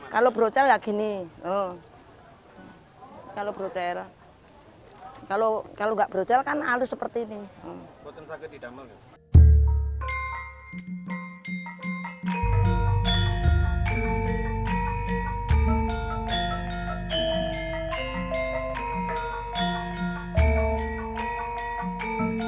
kalau brocel dalamnya bagaimana